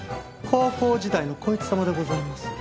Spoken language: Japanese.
高校時代の孝一様でございます。